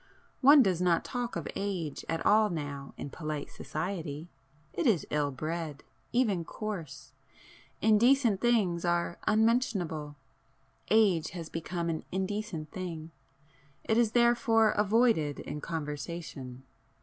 One does not talk of age at all now in polite society,—it is ill bred, even coarse. Indecent things are unmentionable—age has become an indecent thing. It is therefore avoided in conversation.